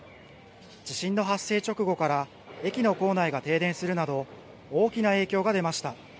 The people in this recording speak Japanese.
地震の発生直後から駅の構内が停電するなど大きな影響が出ました。